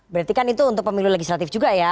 berarti kan itu untuk pemilu legislatif juga ya